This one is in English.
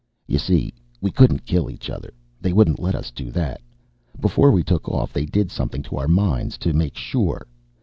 You see, we couldn't kill each other. They wouldn't let us do that. Before we took off, they did something to our minds to make sure.